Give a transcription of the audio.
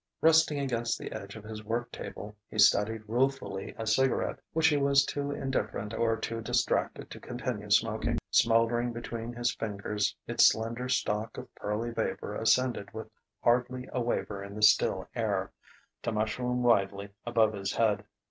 Resting against the edge of his work table, he studied ruefully a cigarette which he was too indifferent or too distracted to continue smoking. Smouldering between his fingers, its slender stalk of pearly vapour ascended with hardly a waver in the still air, to mushroom widely above his head.